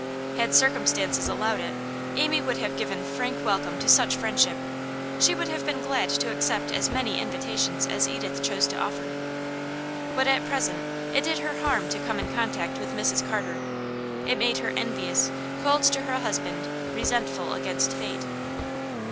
Had circumstances allowed it, Amy would have given frank welcome to such friendship; she would have been glad to accept as many invitations as Edith chose to offer. But at present it did her harm to come in contact with Mrs Carter; it made her envious, cold to her husband, resentful against fate.